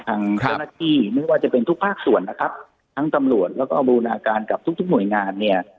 ท่วนละที่ที่มีว่าจะเป็นทุกภาครวชชวนนะครับทั้งตัมหลวนแล้วก็บูรณาการกับทุกหน่วยงานเนี่ย